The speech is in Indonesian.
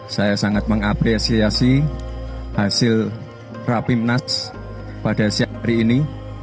saya sangat mengapresiasi hasil rapimnas pada siang hari ini